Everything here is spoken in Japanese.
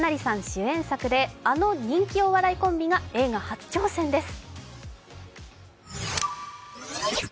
主演作で、あの人気お笑いコンビが映画初出演です。